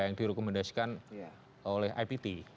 yang direkomendasikan oleh ipt